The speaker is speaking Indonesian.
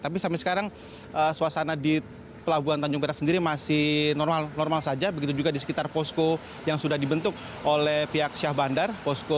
tapi sampai sekarang suasana di pelabuhan tanjung perak sendiri masih normal normal saja begitu juga di sekitar posko yang sudah dibentuk oleh pihak syah bandar